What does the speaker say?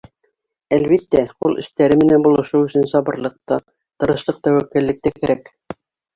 Әлбиттә, ҡул эштәре менән булышыу өсөн сабырлыҡ та, тырышлыҡ-тәүәккәллек тә кәрәк.